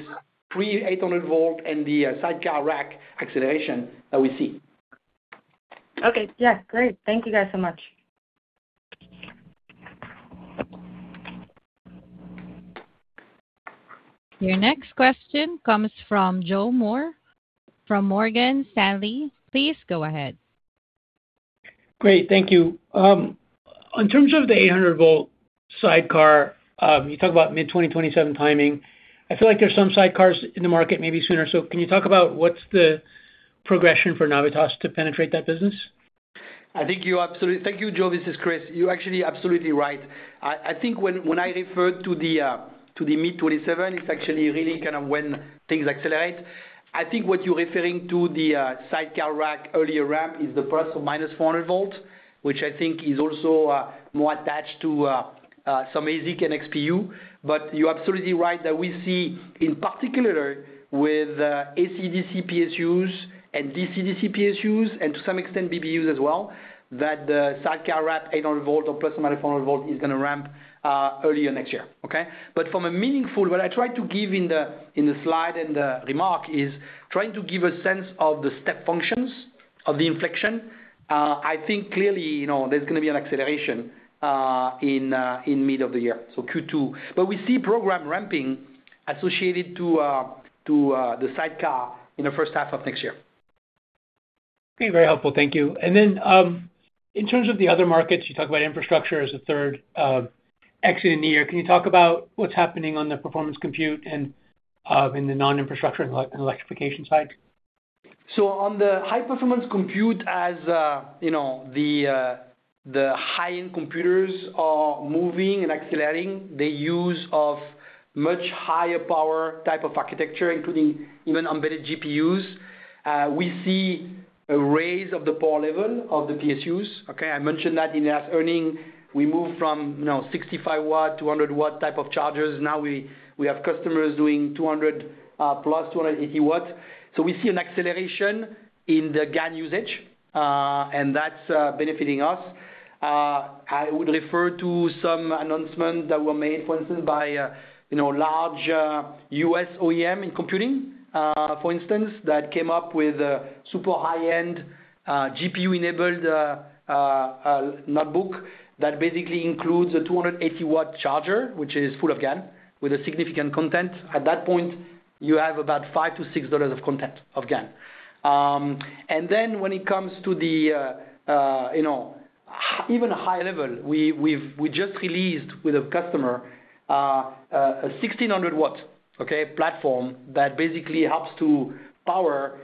pre-800 V and the sidecar rack acceleration that we see. Okay. Yeah. Great. Thank you guys so much. Your next question comes from [Joe] Moore from Morgan Stanley. Please go ahead. Great. Thank you. On terms of the 800 V sidecar, you talk about mid-2027 timing. I feel like there's some sidecars in the market maybe sooner. Can you talk about what's the progression for Navitas to penetrate that business? Thank you, Joe. This is Chris. You're actually absolutely right. I think when I referred to the mid 2027, it's actually really when things accelerate. I think what you're referring to, the sidecar rack earlier ramp is the ±400 V, which I think is also more attached to some ASIC and XPU. You're absolutely right that we see in particular with AC/DC PSUs and DC/DC PSUs, and to some extent, BBUs as well, that the sidecar rack 800 V or ±400 V is going to ramp earlier next year. Okay? From a meaningful, what I tried to give in the slide and the remark is trying to give a sense of the step functions of the inflection. I think clearly, there's going to be an acceleration in mid of the year, so Q2. We see program ramping associated to the SiC in the first half of next year. Okay. Very helpful. Thank you. In terms of the other markets, you talk about infrastructure as a third exit in the year. Can you talk about what's happening on the performance compute and in the non-infrastructure and electrification side? On the high-performance compute, as the high-end computers are moving and accelerating, the use of much higher power type of architecture, including even embedded GPUs, we see a raise of the power level of the PSUs, okay? I mentioned that in the last earnings. We moved from 65 W, 200 W type of chargers. Now we have customers doing 200 W+, 280 W. We see an acceleration in the GaN usage, and that's benefiting us. I would refer to some announcements that were made, for instance, by large U.S. OEM in computing, for instance, that came up with a super high-end GPU-enabled notebook that basically includes a 280 W charger, which is full of GaN with a significant content. At that point, you have about $5-$6 of content of GaN. When it comes to the even high level, we just released with a customer a 1,600 W, okay, platform that basically helps to power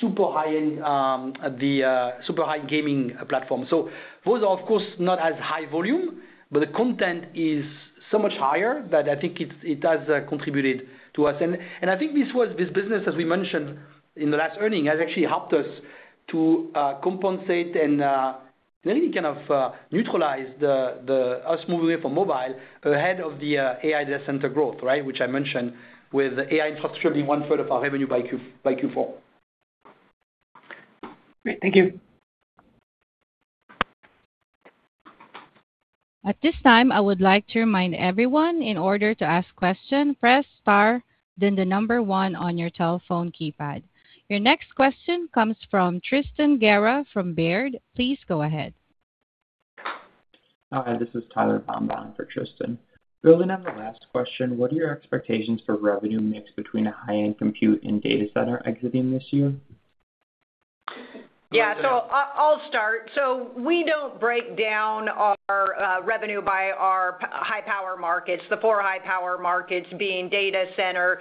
the super high gaming platform. Those are, of course, not as high volume, but the content is so much higher that I think it has contributed to us. This business, as we mentioned in the last earnings, has actually helped us to compensate and really kind of neutralize the us moving away from mobile ahead of the AI data center growth, which I mentioned, with AI infrastructure being 1/3 of our revenue by Q4. Great. Thank you. At this time, I would like to remind everyone, in order to ask question, press star, then the number one on your telephone keypad. Your next question comes from Tristan Gerra from Baird. Please go ahead. Hi, this is [Tyler Pamrone] for Tristan. Building on the last question, what are your expectations for revenue mix between a high-end compute and data center exiting this year? Yeah. I'll start. We don't break down our revenue by our high-power markets, the four high-power markets being data center,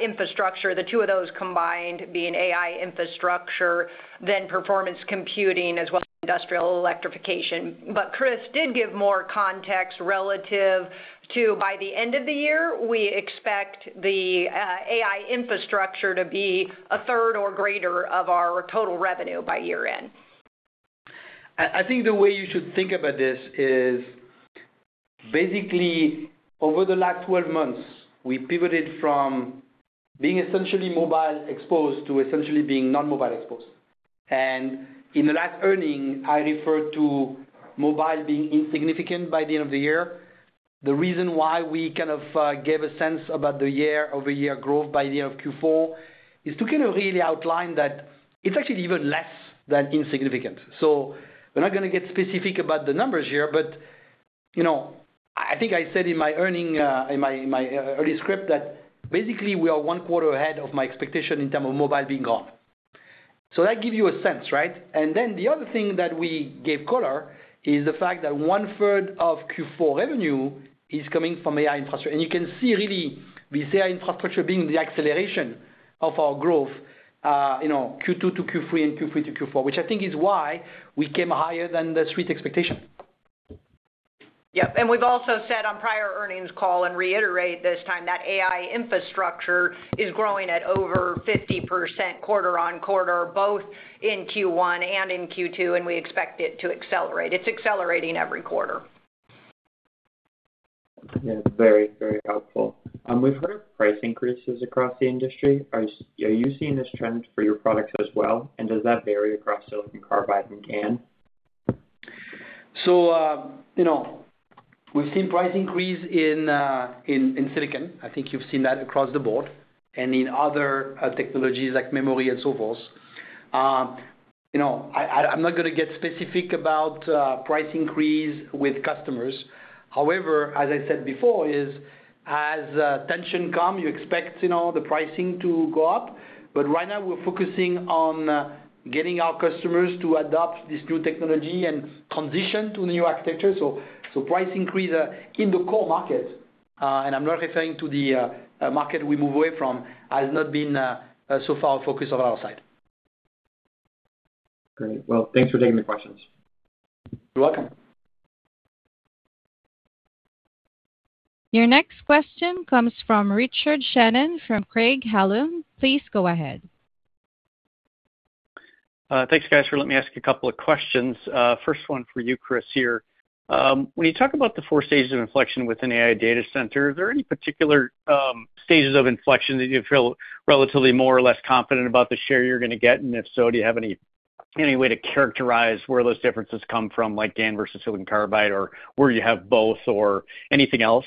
infrastructure, the two of those combined being AI infrastructure, then performance computing as well as industrial electrification. Chris did give more context relative to, by the end of the year, we expect the AI infrastructure to be 1/3 or greater of our total revenue by year-end. I think the way you should think about this is basically over the last 12 months, we pivoted from being essentially mobile exposed to essentially being non-mobile exposed. In the last earnings, I referred to mobile being insignificant by the end of the year. The reason why we kind of gave a sense about the year-over-year growth by the end of Q4 is to kind of really outline that it's actually even less than insignificant. We're not going to get specific about the numbers here, but I think I said in my early script that basically we are one quarter ahead of my expectation in terms of mobile being gone. That give you a sense, right? The other thing that we gave color is the fact that one-third of Q4 revenue is coming from AI infrastructure. You can see really this AI infrastructure being the acceleration of our growth Q2 to Q3 and Q3 to Q4, which I think is why we came higher than the street expectation. Yep. We've also said on prior earnings call and reiterate this time that AI infrastructure is growing at over 50% quarter-on-quarter, both in Q1 and in Q2, and we expect it to accelerate. It's accelerating every quarter. Yeah. Very helpful. We've heard of price increases across the industry. Are you seeing this trend for your products as well, and does that vary across SiC and GaN? We've seen price increase in silicon. I think you've seen that across the board and in other technologies like memory and so forth. I'm not going to get specific about price increase with customers. However, as I said before, is as tension come, you expect the pricing to go up. Right now we're focusing on getting our customers to adopt this new technology and transition to the new architecture. Price increase in the core market, and I'm not referring to the market we move away from, has not been so far a focus of our side. Thanks for taking the questions. You're welcome. Your next question comes from Richard Shannon from Craig-Hallum. Please go ahead. Thanks, guys, for letting me ask a couple of questions. First one for you, Chris, here. When you talk about the four stages of inflection within AI data center, are there any particular stages of inflection that you feel relatively more or less confident about the share you're going to get? If so, do you have any way to characterize where those differences come from, like GaN versus silicon carbide, or where you have both or anything else?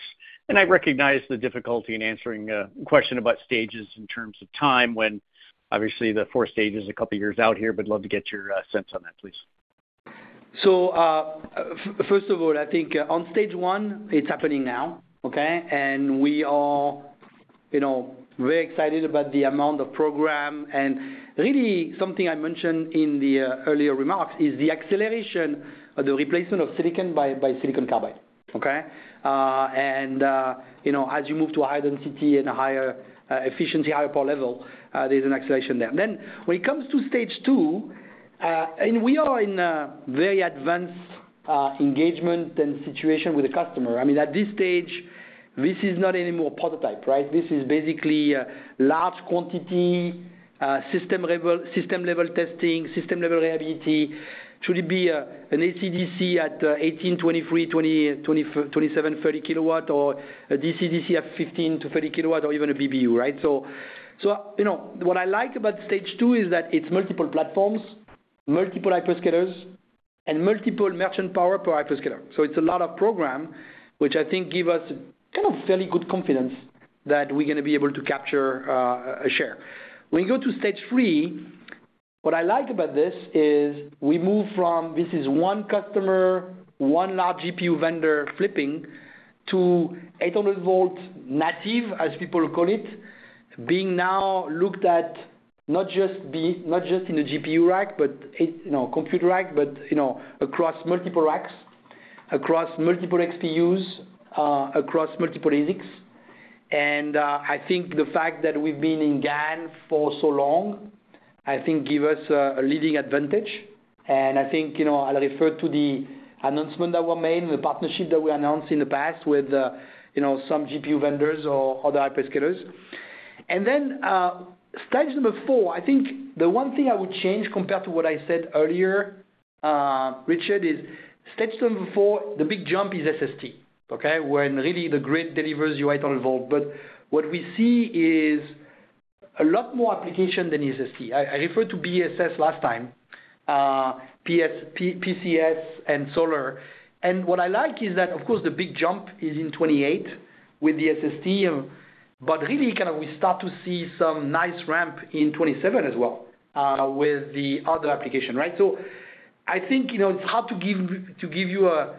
I recognize the difficulty in answering a question about stages in terms of time when obviously the four stages are a couple of years out here, but love to get your sense on that, please. First of all, I think on stage one, it's happening now, okay? We are very excited about the amount of program and really something I mentioned in the earlier remarks is the acceleration of the replacement of silicon by silicon carbide, okay? As you move to a higher density and a higher efficiency, higher power level, there's an acceleration there. When it comes to stage two, we are in a very advanced engagement and situation with the customer. I mean, at this stage, this is not any more prototype, right? This is basically a large quantity, system-level testing, system-level reliability. Should it be an AC/DC at 18 kW, 23 kW, 27 kW, 30 kW or a DC/DC at 15 kW-30 kW or even a BBU, right? What I like about stage two is that it's multiple platforms, multiple hyperscalers, and multiple merchant power per hyperscaler. It's a lot of program, which I think give us kind of fairly good confidence that we're going to be able to capture a share. When you go to stage three, what I like about this is we move from this is one customer, one large GPU vendor flipping to 800 V native, as people call it, being now looked at not just in the GPU rack, computer rack, but across multiple racks, across multiple XPUs, across multiple ASICs. I think the fact that we've been in GaN for so long, I think give us a leading advantage. I think, I'll refer to the announcement that were made, the partnership that we announced in the past with some GPU vendors or other hyperscalers. Stage number four, I think the one thing I would change compared to what I said earlier, Richard, is stage number four, the big jump is SST. Okay? When really the grid delivers you [800 V]. What we see is a lot more application than is SST. I referred to BSS last time, PCS, and solar. What I like is that, of course, the big jump is in 2028 with the SST, but really we start to see some nice ramp in 2027 as well, with the other application, right? I think it's hard to give you a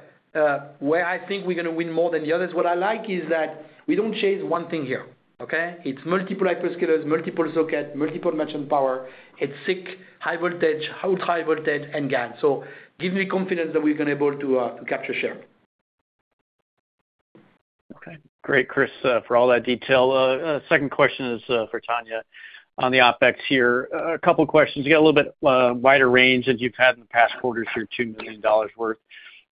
where I think we're going to win more than the others. What I like is that we don't chase one thing here. Okay? It's multiple hyperscalers, multiple socket, multiple merchant power. It's SiC, high voltage, ultra-high voltage, and GaN. Gives me confidence that we're going to able to capture share. Okay, great, Chris, for all that detail. Second question is for [Tonya] on the OpEx here. A couple questions. You got a little bit wider range than you've had in the past quarters here, $2 million worth.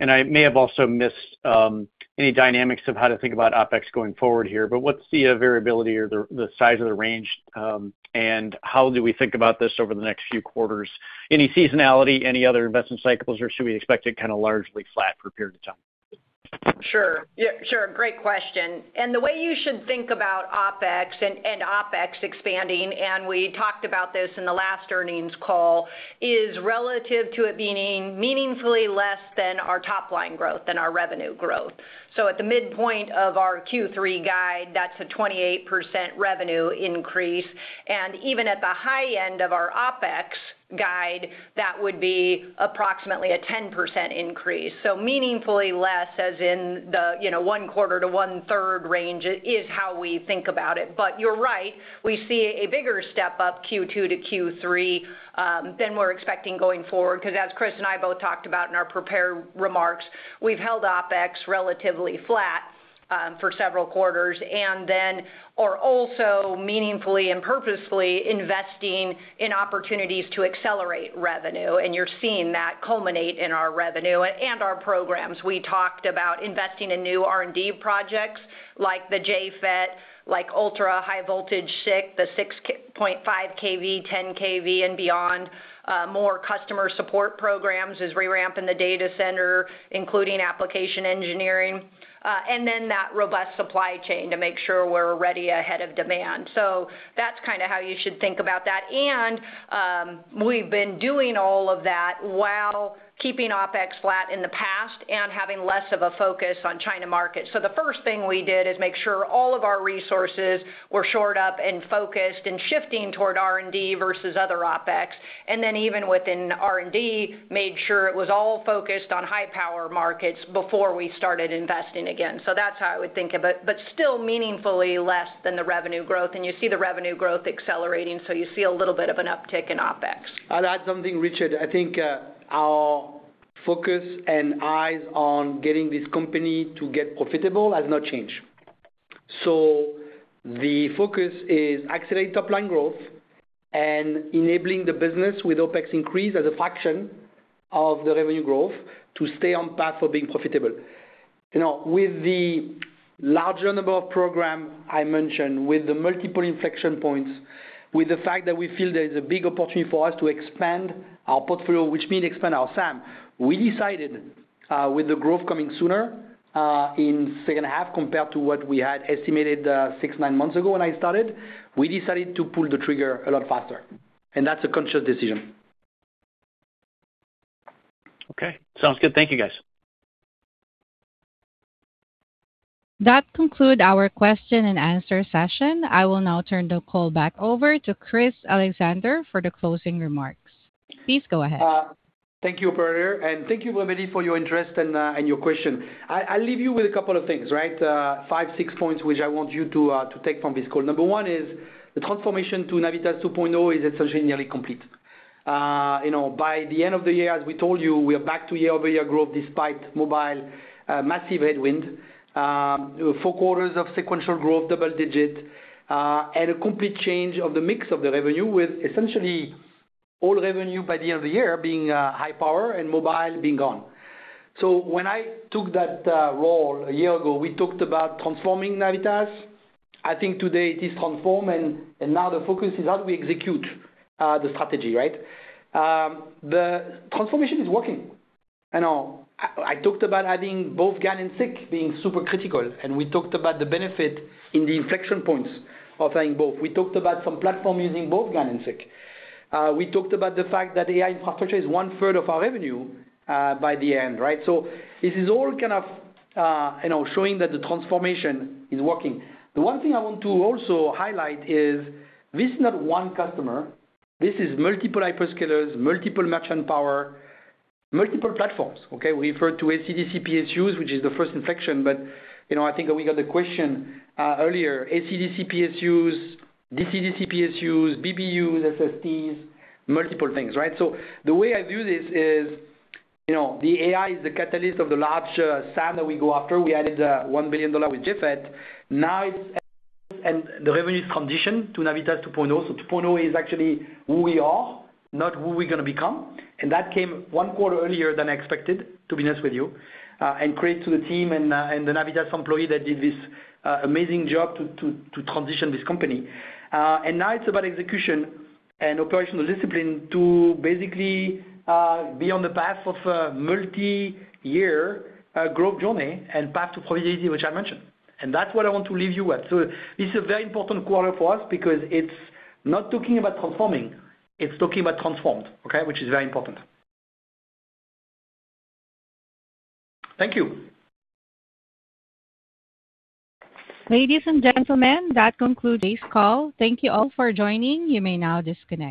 I may have also missed any dynamics of how to think about OpEx going forward here, but what's the variability or the size of the range, and how do we think about this over the next few quarters? Any seasonality, any other investment cycles, or should we expect it kind of largely flat for a period of time? Sure. Great question. The way you should think about OpEx and OpEx expanding, we talked about this in the last earnings call, is relative to it being meaningfully less than our top-line growth, than our revenue growth. At the midpoint of our Q3 guide, that's a 28% revenue increase, even at the high end of our OpEx guide, that would be approximately a 10% increase. Meaningfully less, as in the one quarter to one-third range is how we think about it. You're right, we see a bigger step-up Q2 to Q3 than we're expecting going forward, because as Chris and I both talked about in our prepared remarks, we've held OpEx relatively flat for several quarters, then are also meaningfully and purposefully investing in opportunities to accelerate revenue, you're seeing that culminate in our revenue and our programs. We talked about investing in new R&D projects like the JFET, like ultra high voltage SiC, the 6.5 kV, 10 kV, and beyond. More customer support programs as we ramp in the data center, including application engineering. Then that robust supply chain to make sure we're ready ahead of demand. That's kind of how you should think about that. We've been doing all of that while keeping OpEx flat in the past and having less of a focus on China market. The first thing we did is make sure all of our resources were shored up and focused and shifting toward R&D versus other OpEx. Then even within R&D, made sure it was all focused on high-power markets before we started investing again. That's how I would think of it, still meaningfully less than the revenue growth. You see the revenue growth accelerating, so you see a little bit of an uptick in OpEx. I'll add something, Richard. I think our focus and eyes on getting this company to get profitable has not changed. The focus is accelerate top-line growth and enabling the business with OpEx increase as a fraction of the revenue growth to stay on path for being profitable. With the larger number of program I mentioned, with the multiple inflection points, with the fact that we feel there is a big opportunity for us to expand our portfolio, which means expand our SAM, we decided with the growth coming sooner, in second half compared to what we had estimated six, nine months ago when I started, we decided to pull the trigger a lot faster, and that's a conscious decision. Okay, sounds good. Thank you, guys. That conclude our question and answer session. I will now turn the call back over to Chris Allexandre for the closing remarks. Please go ahead. Thank you, operator, and thank you, everybody, for your interest and your question. I'll leave you with a couple of things, right? Five, six points which I want you to take from this call. Number one is the transformation to Navitas 2.0 is essentially nearly complete. By the end of the year, as we told you, we are back to year-over-year growth despite mobile massive headwind. Four quarters of sequential growth, double digit, and a complete change of the mix of the revenue, with essentially all revenue by the end of the year being high power and mobile being gone. When I took that role a year ago, we talked about transforming Navitas. I think today it is transformed, and now the focus is how do we execute the strategy, right? The transformation is working. I talked about having both GaN and SiC being super critical, and we talked about the benefit in the inflection points of having both. We talked about some platform using both GaN and SiC. We talked about the fact that AI infrastructure is 1/3 of our revenue by the end, right? This is all kind of showing that the transformation is working. The one thing I want to also highlight is this is not one customer. This is multiple hyperscalers, multiple merchant power, multiple platforms, okay? We refer to AC/DC PSUs, which is the first inflection, but I think we got the question earlier, AC/DC PSUs, DC/DC PSUs, BBUs, SSTs, multiple things, right? The way I view this is the AI is the catalyst of the large SAM that we go after. We added $1 billion with JFET. Now the revenue is conditioned to Navitas 2.0. 2.0 is actually who we are, not who we're going to become, and that came one quarter earlier than expected, to be honest with you. Credit to the team and the Navitas employee that did this amazing job to transition this company. Now it's about execution and operational discipline to basically be on the path of a multi-year growth journey and path to profitability, which I mentioned. That's what I want to leave you with. This is a very important quarter for us because it's not talking about transforming, it's talking about transformed, okay? Which is very important. Thank you. Ladies and gentlemen, that concludes this call. Thank you all for joining. You may now disconnect.